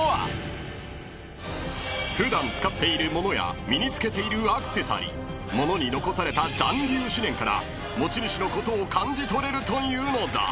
［普段使っている物や身に着けているアクセサリー物に残された残留思念から持ち主のことを感じ取れるというのだ］